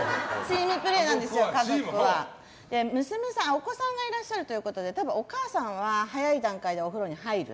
お子さんいらっしゃるということでお母さんは早い段階でお風呂に入る。